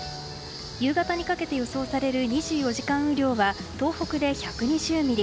夕方にかけて予想される２４時間雨量は東北で１２０ミリ